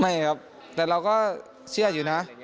ไม่ครับแต่เราก็เชื่ออยู่นะ